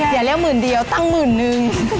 อย่าเรียกหมื่นเดียวตั้งหมื่นนึง